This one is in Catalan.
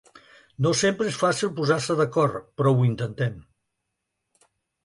No sempre és fàcil posar-se d’acord, però ho intentem.